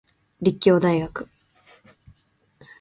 立教大学